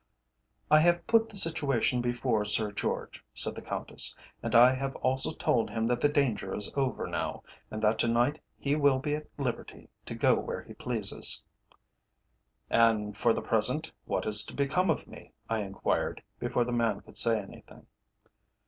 "I have put the situation before Sir George," said the Countess, "and I have also told him that the danger is over now, and that to night he will be at liberty to go where he pleases." "And for the present what is to become of me?" I enquired, before the man could say anything.